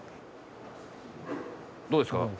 どうですか？